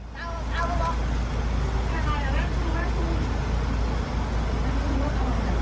มันมันมาแล้วมันมันเหมือนมันมาจอดกดเงินน่ะ